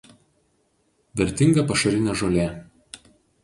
Vertinga pašarinė žolė.